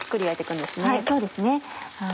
そうですね。